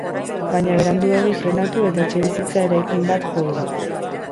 Baina beranduegi frenatu eta etxebizitza eraikin bat jo du.